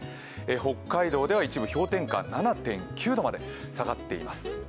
北海道では一部、氷点下７．９度まで下がっています。